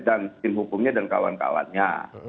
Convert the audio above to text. dan tim hukumnya dan kawan kawannya